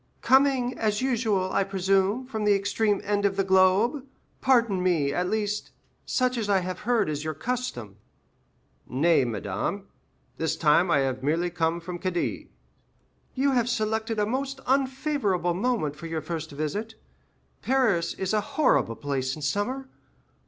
"Coming, as usual, I presume, from the extreme end of the globe? Pardon me—at least, such I have heard is your custom." "Nay, madame. This time I have merely come from Cadiz." "You have selected a most unfavorable moment for your first visit. Paris is a horrible place in summer.